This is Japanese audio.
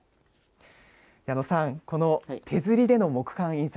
矢野さん、この手刷りでの木版印刷